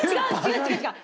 違う違う！